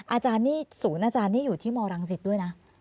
อาจารย์นี่ศูนย์อาจารย์นี่อยู่ที่มรังสิตด้วยนะ